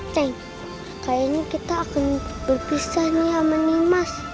ceng kali ini kita akan berpisah nih sama nyi mas